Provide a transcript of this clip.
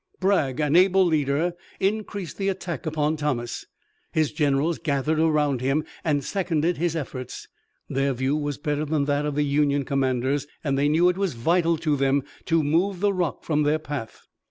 Bragg, an able leader, increased the attack upon Thomas. His generals gathered around him, and seconded his efforts. Their view was better than that of the Union commanders, and they knew it was vital to them to move the rock from their path.